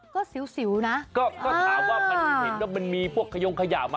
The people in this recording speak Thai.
ก็สิวนะก็ถามว่ามันมีพวกขยงขยะไหม